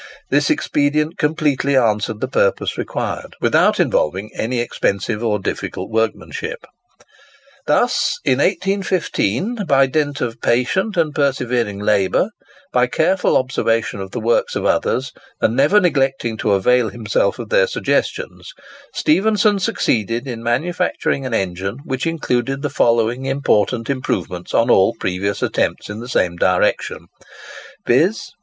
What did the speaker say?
This expedient completely answered the purpose required, without involving any expensive or difficult workmanship. Thus, in 1815, by dint of patient and persevering labour,—by careful observation of the works of others, and never neglecting to avail himself of their suggestions,—Stephenson succeeded in manufacturing an engine which included the following important improvements on all previous attempts in the same direction:—viz.